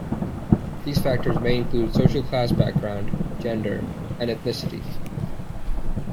These factors may include social class background, gender and ethnicity.